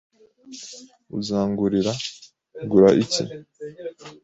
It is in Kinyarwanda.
"Uzangurira?" "Gura iki?"